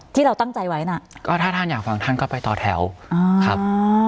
ที่เราตั้งใจไว้น่ะก็ถ้าท่านอยากฟังท่านก็ไปต่อแถวครับ